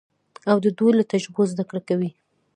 او د دوی له تجربو زده کړه کوي.